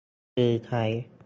คือใช้